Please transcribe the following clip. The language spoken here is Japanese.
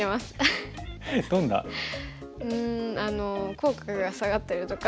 口角が下がってるとか。